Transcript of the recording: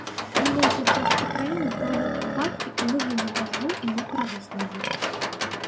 На большай частцы краіны пройдуць ападкі ў выглядзе дажджу і мокрага снегу.